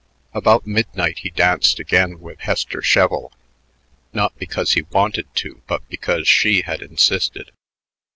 About midnight he danced again with Hester Sheville, not because he wanted to but because she had insisted.